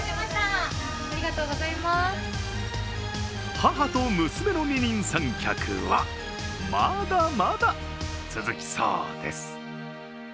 母と娘の二人三脚はまだまだ続きそうです。